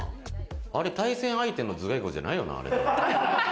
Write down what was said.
あれ、対戦相手の頭蓋骨じゃないよな？